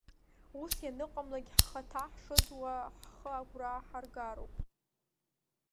Ус ианыҟамлагьы, ҳхаҭа ҳшыӡуа ҳхы агәра аҳаргароуп.